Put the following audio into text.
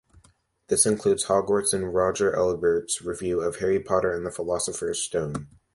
This includes Hogwarts in Roger Ebert's review of "Harry Potter and the Philosopher's Stone".